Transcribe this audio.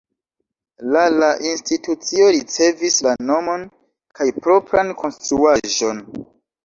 La la institucio ricevis la nomon kaj propran konstruaĵon.